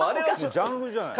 ジャンルじゃない。